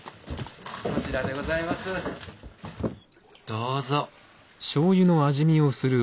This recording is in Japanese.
どうぞ。